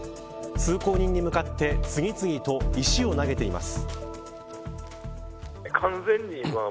通行人に向かって次々と石を投げています。